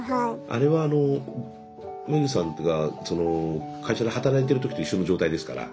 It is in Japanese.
あれはあのｍｅｇｕさんがその会社で働いてる時と一緒の状態ですから。